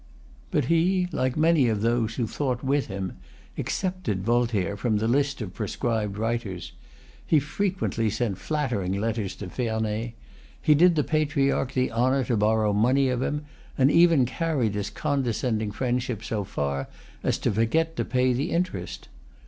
But he, like many of those who thought with him, excepted Voltaire from the list of proscribed writers. He frequently sent flattering letters to Ferney. He did the patriarch the honor to borrow money of him, and even carried this condescending friendship so far as to forget to pay the interest.